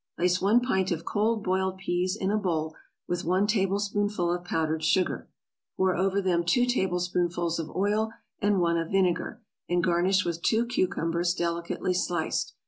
= Place one pint of cold boiled peas in a bowl with one tablespoonful of powdered sugar; pour over them two tablespoonfuls of oil and one of vinegar, and garnish with two cucumbers delicately sliced.